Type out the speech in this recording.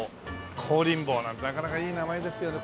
香林坊なんてなかなかいい名前ですよね。